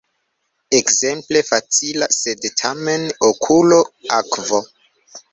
Ekzemple: "facila, sed, tamen, okulo, akvo".